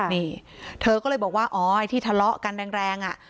นี่เธอก็เลยบอกว่าอ๋อไอ้ที่ทะเลาะกันแรงอ่ะ